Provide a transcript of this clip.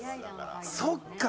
そっか。